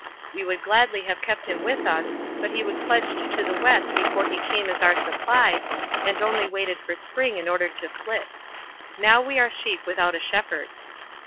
We would gladly have kept him with us, but he was pledged to the West before he came as our supply, and only waited for spring in order to flit. Now we are sheep without a shepherd."